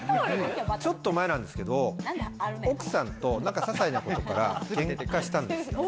ちょっと前なんですけど、奥さんと、ささいなことから喧嘩したんですよ。